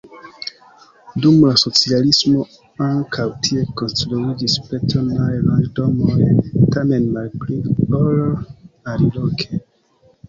Dum la socialismo ankaŭ tie konstruiĝis betonaj loĝdomoj, tamen malpli, ol aliloke.